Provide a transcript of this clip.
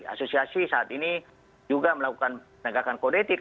asosiasi saat ini juga melakukan penegakan kode etik